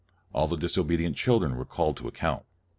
All the disobedient children were called to ac count.